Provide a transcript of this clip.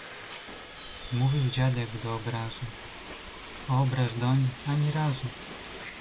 Mówił dziadek do obrazu, a obraz doń ani razu.